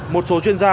một số chuyên gia